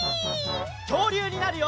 きょうりゅうになるよ！